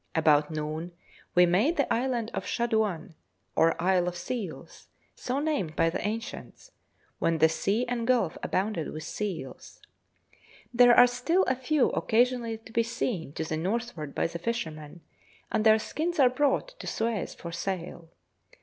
About noon we made the island of Shaduan, or isle of Seals, so named by the ancients, when the sea and gulf abounded with seals. There are still a few occasionally to be seen to the northward by the fishermen, and their skins are brought to Suez for sale.